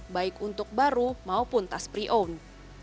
baik untuk baru maupun tas pre oun